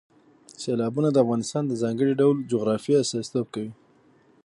سیلابونه د افغانستان د ځانګړي ډول جغرافیې استازیتوب کوي.